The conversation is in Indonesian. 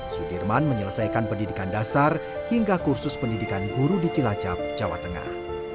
sudirman menyelesaikan pendidikan dasar hingga kursus pendidikan guru di cilacap jawa tengah